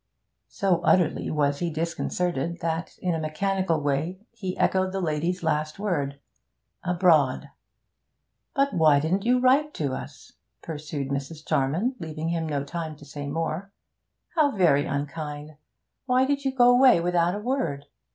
So utterly was he disconcerted, that in a mechanical way he echoed the lady's last word: 'Abroad.' 'But why didn't you write to us?' pursued Mrs. Charman, leaving him no time to say more. 'How very unkind! Why did you go away without a word?